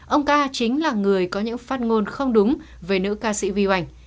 ông k chính là người có những phát ngôn không đúng về nữ ca sĩ vy oanh